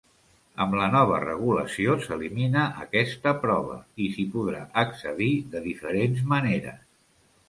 Amb la nova regulació s'elimina aquesta prova i s'hi podrà accedir de diferents maneres.